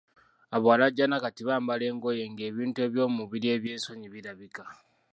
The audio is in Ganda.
Abawalajjana kati bambala engoye ng‘ebintu by'omubiri eby'esonyi bilabika.